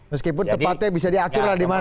meskipun tempatnya bisa diatur lah